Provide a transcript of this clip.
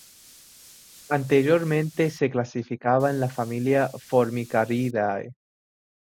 Anteriormente se clasificaba en la familia Formicariidae.